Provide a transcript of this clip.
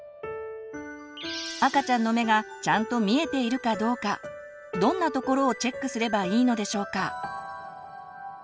赤ちゃんの目がちゃんと見えているかどうかどんなところをチェックすればいいのでしょうか？